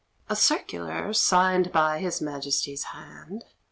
A circular, signed by His Majesty's hand.